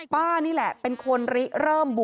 ป้านี่แหละเป็นคนริเริ่มบุญ